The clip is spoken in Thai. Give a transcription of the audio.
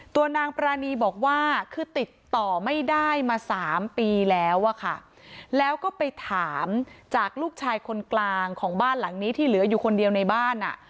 ตัวนางปรานีบอกว่าคือติดต่อไม่ได้มาสามปีแล้วอะค่ะแล้วก็ไปถามจากลูกชายคนกลางของบ้านหลังนี้ที่เหลืออยู่คนเดียวในบ้านอ่ะ